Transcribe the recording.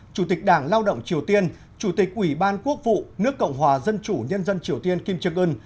chủ tịch đảng lao động triều tiên chủ tịch ủy ban quốc vụ nước cộng hòa dân chủ nhân dân triều tiên kim jong un